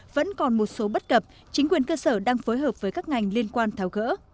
vẫn còn một số bất cập chính quyền cơ sở đang phối hợp với các ngành liên quan tháo gỡ